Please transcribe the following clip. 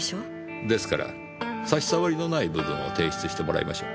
ですから差し障りのない部分を提出してもらいましょう。